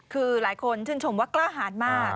คือหลายคนชื่นชมว่ากล้าหารมาก